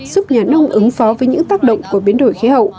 giúp nhà nông ứng phó với những tác động của biến đổi khí hậu